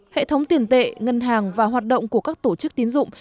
hệ thống tiền tệ ngân hàng và hoạt động của các tổ chức tiến dụng